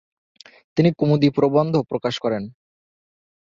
তিনি কুমুদি প্রবন্ধ প্রকাশ করেন।